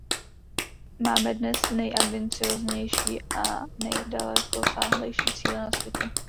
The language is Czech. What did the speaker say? Máme dnes nejambicióznější a nejdalekosáhlejší cíle na světě.